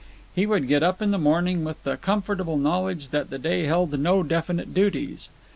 He would get up in the morning with the comfortable knowledge that the day held no definite duties.